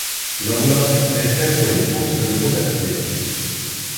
L'Orlov est fait pour les courses de trot attelé.